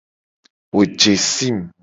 Wo je sim.